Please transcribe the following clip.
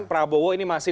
prabowo ini masih